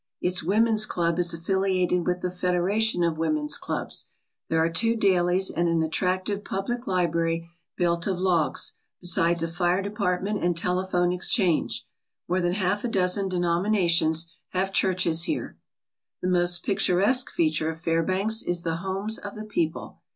Its Women's Club is affiliated with the Federation of Women's Clubs. There are two dailies and an attractive public library built of logs, besides a fire department and telephone exchange. More than half a dozen denominations have churches here. The most picturesque feature of Fairbanks is the homes of the people.